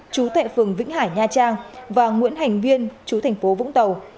chú thệ phường vĩnh hải nha trang và nguyễn hành viên chú thành phố vũng tàu